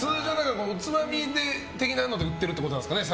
おつまみ的なので売ってるってことですかね